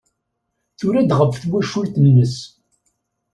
Tura-d ɣef twacult-nnes.